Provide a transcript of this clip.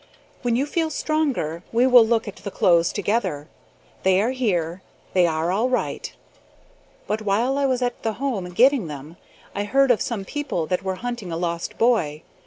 When you feel stronger we will look at the clothes together. They are here. They are all right. But while I was at the Home getting them, I heard of some people that were hunting a lost boy.